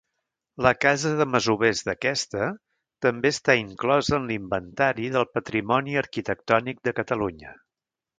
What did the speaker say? La casa de masovers d'aquesta també està inclosa en l'Inventari del Patrimoni Arquitectònic de Catalunya.